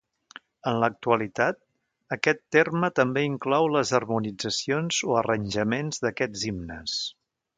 En l'actualitat, aquest terme també inclou les harmonitzacions o arranjaments d'aquests himnes.